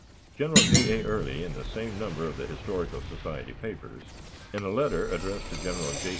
General J. A. Early, in the same number of the "Historical Society Papers," in a letter addressed to General J.